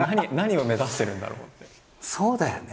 そうだよね。